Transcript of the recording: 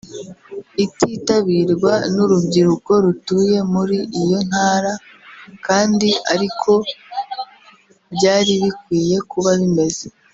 ititabirwa n’urubyiruko rutuye muri iyo ntara kandi ari ko byari bikwiye kuba bimeze